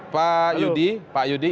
pak yudi pak yudi